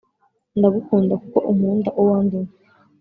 ndagukunda kuko unkunda uwo ndiwe.